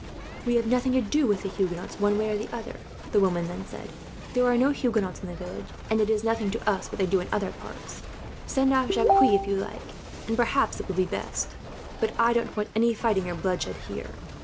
"'We have nothing to do with the Huguenots, one way or other,' the woman said. 'There are no Huguenots in this village, and it is nothing to us what they do in other parts. Send off Jacques if you like, and perhaps it will be best; but I don't want any fighting or bloodshed here.'